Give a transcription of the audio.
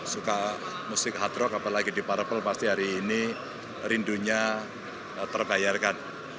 suka musik hard rock apalagi deep purple pasti hari ini rindunya terbayarkan